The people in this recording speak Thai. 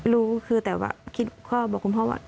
รู้คือแต่ว่าคิดข้อบอกคุณพ่อว่า